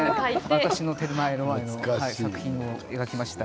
私は「テルマエ・ロマエ」の作品を描きました。